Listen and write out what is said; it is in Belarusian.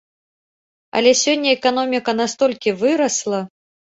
Але сёння эканоміка настолькі вырасла!